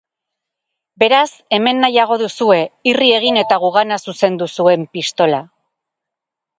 Beraz, hemen nahiago duzue, irri egin eta gugana zuzendu zuen pistola.